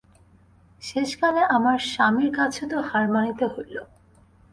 শেষকালে আমার স্বামীর কাছে তো হার মানিতে হইল।